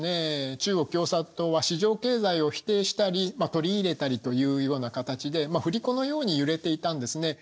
中国共産党は市場経済を否定したり取り入れたりというような形で振り子のように揺れていたんですね。